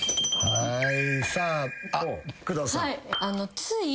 はい。